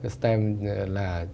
stem là trường hàng đầu của hà nội